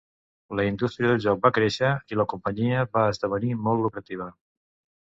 La indústria del joc va créixer, i la companyia va esdevenir molt lucrativa.